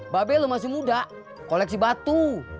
babel masih muda koleksi batu